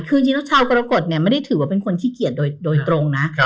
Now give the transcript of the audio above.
คือจริงแล้วชาวกรกฎเนี่ยไม่ได้ถือว่าเป็นคนขี้เกียจโดยตรงนะ